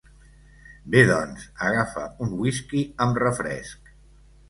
Bé doncs, agafa un whisky amb refresc!